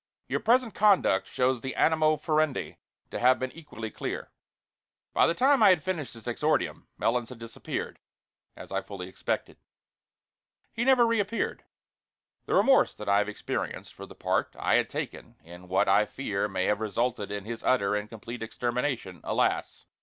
Your present conduct shows the animo furandi to have been equally clear." By the time I had finished this exordium Melons had disappeared, as I fully expected. He never reappeared. The remorse that I have experienced for the part I had taken in what I fear may have resulted in his utter and complete extermination, alas!